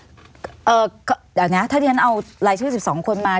เดี๋ยวนะถ้าที่ฉันเอารายชื่อ๑๒คนมา